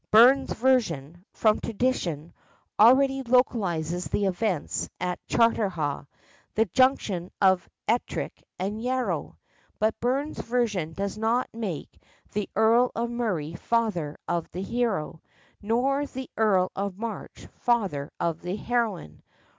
Burns's version, from tradition, already localizes the events at Carterhaugh, the junction of Ettrick and Yarrow. But Burns's version does not make the Earl of Murray father of the hero, nor the Earl of March father of the heroine.